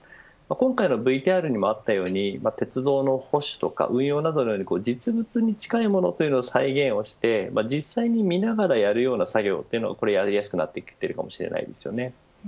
今回のＶＴＲにもあったように鉄道の保守とか運用などの実物に近いものを再現して実際に見ながらやるような作業というのはやりやすくなってきているしれないですよね。